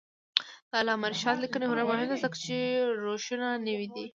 د علامه رشاد لیکنی هنر مهم دی ځکه چې روشونه نوي دي.